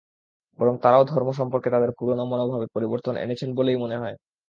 বরং তাঁরাও ধর্ম সম্পর্কে তাঁদের পুরোনো মনোভাবে পরিবর্তন এনেছেন বলেই মনে হয়।